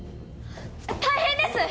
大変です！